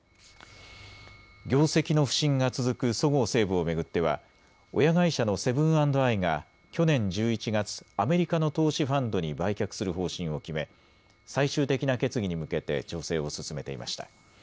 業績の不振が続くそごう・西武を巡っては親会社のセブン＆アイが去年１１月、アメリカの投資ファンドに売却する方針を決め、最終的な決議に向けて調整を進めていました。